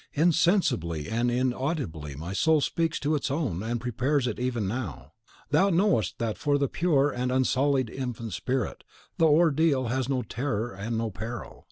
Insensibly and inaudibly my soul speaks to its own, and prepares it even now. Thou knowest that for the pure and unsullied infant spirit, the ordeal has no terror and no peril.